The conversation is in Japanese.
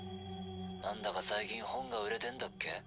なんだか最近本が売れてんだっけ？